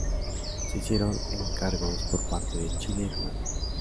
Se hicieron encargos por parte de Chile y Rumania.